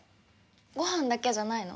ごはんだけじゃないの？